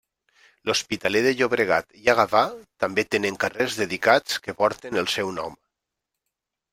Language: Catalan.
L’Hospitalet de Llobregat i a Gavà també tenen carrers dedicats que porten el seu nom.